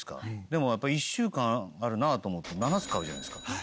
でも１週間あるなと思うと７つ買うじゃないですか。